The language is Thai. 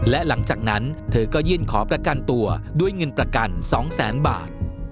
และหลังจากนั้นเธอก็ยื่นขอประกันตัวด้วยเงินประกัน๒แสนบาท